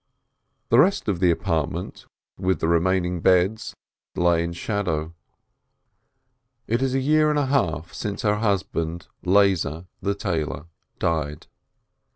The rest of the apartment with the remaining beds lay in shadow. It is a year and a half since her husband, Lezer the tailor, died.